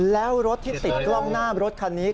แล้วรถที่ติดกล้องหน้ารถคันนี้